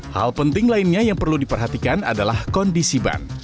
hal penting lainnya yang perlu diperhatikan adalah kondisi ban